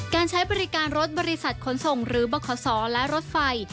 การใช้บริการรถบริษัทขนส่งหรือบขศและรถไฟ